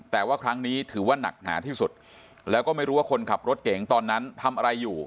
แต่ว่าครั้งนี้ถือว่านักหนาที่สุดแล้วก็ไม่รู้ว่าคนขับรถเก่งตอนนั้นทำอะไรอยู่